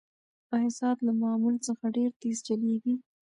ایا ساعت له معمول څخه ډېر تېز چلیږي؟